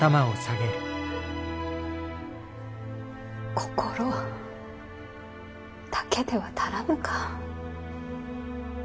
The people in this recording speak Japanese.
心だけでは足らぬか。